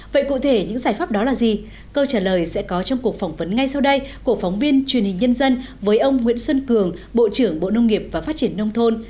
vậy cụ thể những giải pháp đó là gì câu trả lời sẽ có trong cuộc phỏng vấn ngay sau đây của phóng viên truyền hình nhân dân với ông nguyễn xuân cường bộ trưởng bộ nông nghiệp và phát triển nông thôn